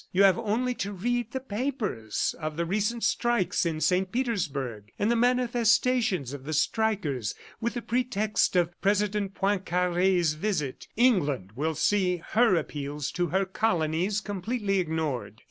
You have only to read in the papers of the recent strikes in Saint Petersburg, and the manifestations of the strikers with the pretext of President Poincare's visit. ... England will see her appeals to her colonies completely ignored.